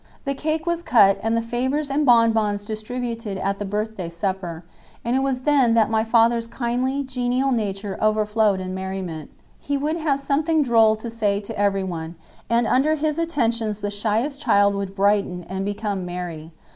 The cake was cut, and the favors and bonbons distributed at the birthday supper, and it was then that my father's kindly, genial nature overflowed in merriment. He would have something droll to say to everyone, and under his attentions the shyest child would brighten and become merry.